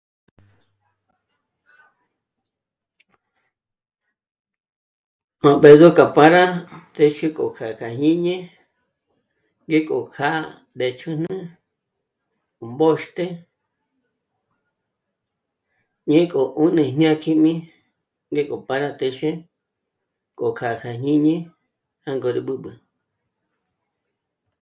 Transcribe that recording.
Nú b'ë̌zo k'a pára téxe k'o kjâ'a k'a jñíñi, ngéko kjâ'a mbéch'újnü mbǒxte ñě'e k'o 'ùnü jñá kjími ngék'o para téxe k'o kjâ'a kja jñíñi jângo rí b'ǚb'ü